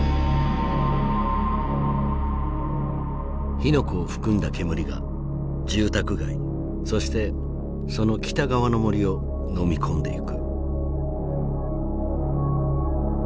火の粉を含んだ煙が住宅街そしてその北側の森をのみ込んでいく。